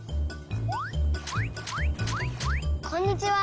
こんにちは。